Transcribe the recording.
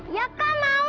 ya kak mau